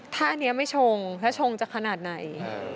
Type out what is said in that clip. ถ้าอันนี้ไม่ชงถ้าชงจะขนาดไหน